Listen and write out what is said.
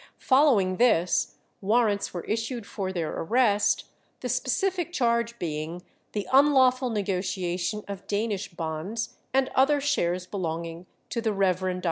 Following this, warrants were issued for their arrest, the specific charge being the unlawful negotiation of Danish bonds and other shares belonging to the Rev. Dr.